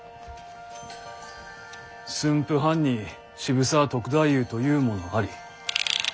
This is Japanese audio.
「駿府藩に渋沢篤太夫というものあり。